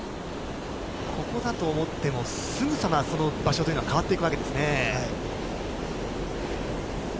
ここだと思ってもすぐさまその場所というのは変わっていくわけですね。